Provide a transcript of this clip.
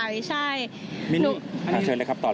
อะไรละคะ